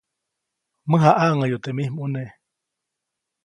Mäjaʼaŋʼäyuʼa teʼ mij ʼmuneʼ.